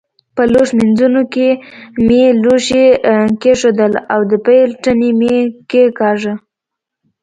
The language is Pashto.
په لوښ مینځوني کې مې لوښي کېښودل او د پیل تڼۍ مې کېکاږله.